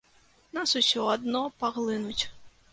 Нас усё адно паглынуць.